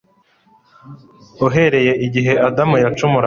Uhereye igihe Adamu yacumuraga,